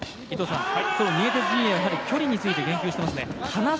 ニエテス陣営は距離について言及していますね。